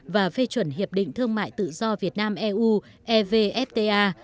và phê chuẩn hiệp định thương mại tự do việt nam eu evfta